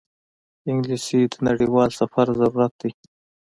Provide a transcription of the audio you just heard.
انګلیسي د نړیوال سفر ضرورت دی